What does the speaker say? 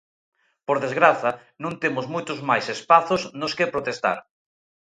Por desgraza, non temos moitos máis espazos nos que protestar.